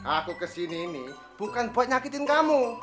aku kesini ini bukan buat nyakitin kamu